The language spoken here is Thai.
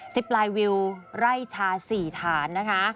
ซิปไลน์วิวไร่ชา๔ฐานนะคะ